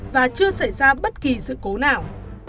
và chưa xảy ra bất kỳ sự cố nào